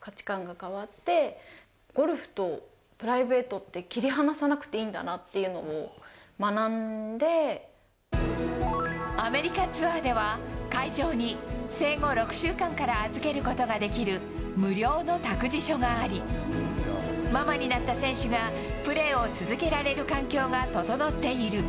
価値観が変わって、ゴルフとプライベートって切り離さなくていいんだなというのを学アメリカツアーでは、会場に生後６週間から預けることができる無料の託児所があり、ママになった選手が、プレーを続けられる環境が整っている。